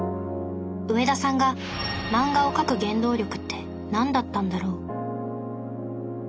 上田さんが漫画を描く原動力って何だったんだろう？